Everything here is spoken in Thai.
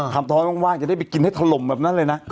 ท้อยว่างจะได้ไปกินให้ถล่มแบบนั้นเลยนะ